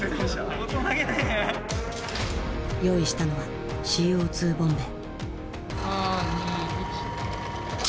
用意したのはＣＯ２ボンベ。